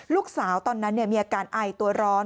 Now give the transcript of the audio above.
ลูกสาวตอนนั้นมีอาการอายตัวร้อน